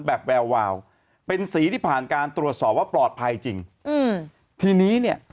แบบแวววาวเป็นสีที่ผ่านการตรวจสอบว่าปลอดภัยจริงอืมทีนี้เนี่ย